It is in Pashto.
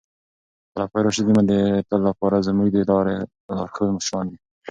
خلفای راشدین به د تل لپاره زموږ د لارې لارښود مشران وي.